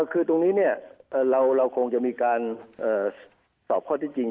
คือตรงนี้เราคงจะมีการสอบข้อที่จริง